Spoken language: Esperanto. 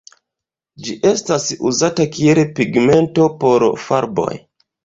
Ĝi estas uzata kiel pigmento por farboj.